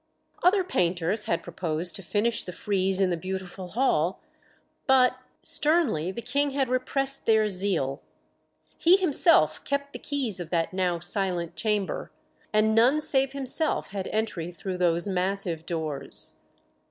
Other painters had proposed to finish the frieze in the beautiful hall, but sternly the King had repressed their zeal. He himself kept the keys of that now silent chamber, and none save himself had entry through those massive doors.